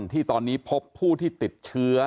ที่ตอนนี้พบผู้ที่ติดเชื้อ